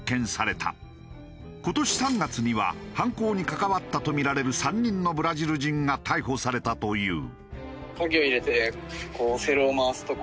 今年３月には犯行に関わったとみられる３人のブラジル人が逮捕されたという。